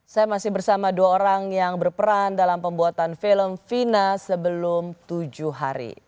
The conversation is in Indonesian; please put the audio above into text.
saya masih bersama dua orang yang berperan dalam pembuatan film fina sebelum tujuh hari